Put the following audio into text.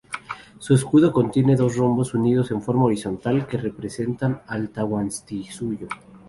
Su escudo contiene dos rombos unidos en forma horizontal que representan al Tahuantinsuyo.